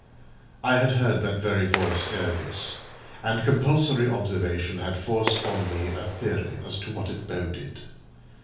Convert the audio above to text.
I had heard that very voice ere this, and compulsory observation had forced on me a theory as to what it boded.